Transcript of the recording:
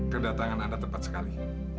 kedatangan anda tepat sekali